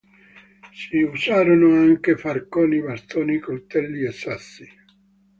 Si usarono anche forconi, bastoni, coltelli e sassi.